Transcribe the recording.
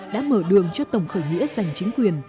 đã mở đường cho tổng khởi nghĩa giành chính quyền